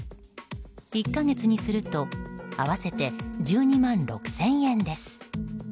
１か月にすると合わせて１２万６０００円です。